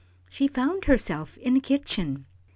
She found herself in a kitchen.